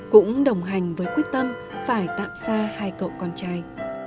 cũng đồng hành với quyết tâm phải tạm xa hai cậu con trai